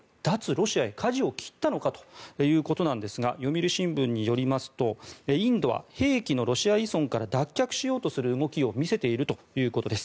ロシアへかじを切ったのかということですが読売新聞によりますとインドは兵器のロシア依存から脱却しようとする動きを見せているということです。